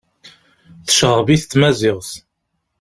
Tceɣɣeb-it tmaziɣt.